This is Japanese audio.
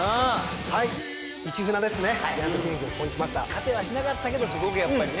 勝てはしなかったけどすごくやっぱりね。